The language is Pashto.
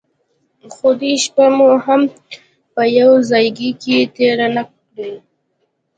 خو دوې شپې مو هم په يوه ځايگي کښې تېرې نه کړې.